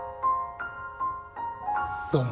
どうも、